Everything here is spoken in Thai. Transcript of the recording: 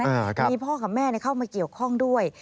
มีพ่อกับแม่เข้ามาเกี่ยวข้องด้วย